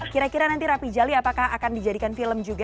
kira kira nanti rapi jali apakah akan dijadikan film juga